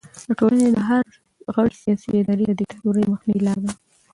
د ټولنې د هر غړي سیاسي بیداري د دیکتاتورۍ د مخنیوي لاره ده.